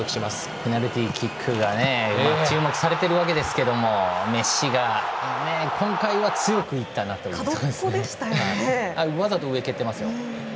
ペナルティーキックが注目されてるわけですけどメッシが今回は強くいったなという。わざと、上を蹴ってますよ。